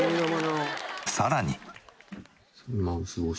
さらに。